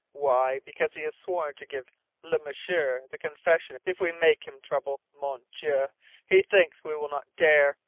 Why? Because he has sworn to give Le M'sieur the confession if we make him trouble. Mon Dieu, he thinks we will not dare!